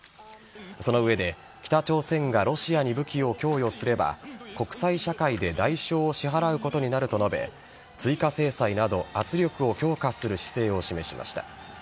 その上で、北朝鮮がロシアに武器を供与すれば国際社会で代償を支払うことになると述べ追加制裁など圧力を強化する姿勢を示しました。